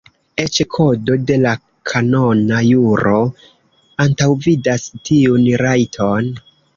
Eĉ Kodo de la Kanona juro antaŭvidas tiun rajton.